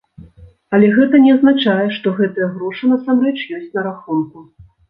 Але гэта не азначае, што гэтыя грошы насамрэч ёсць на рахунку.